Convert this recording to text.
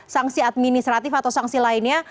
sangsi administratif atau sangsi lainnya